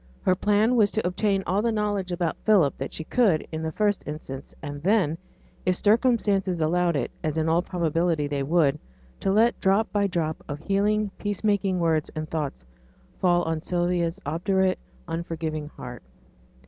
Her plan was to obtain all the knowledge about Philip that she could in the first instance; and then, if circumstances allowed it, as in all probability they would, to let drop by drop of healing, peacemaking words and thoughts fall on Sylvia's obdurate, unforgiving heart.